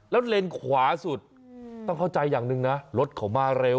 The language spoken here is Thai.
แล้วเลนขวาสุดต้องเข้าใจอย่างหนึ่งนะรถเขามาเร็ว